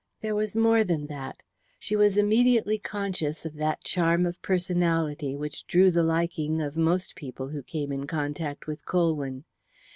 There was more than that. She was immediately conscious of that charm of personality which drew the liking of most people who came in contact with Colwyn.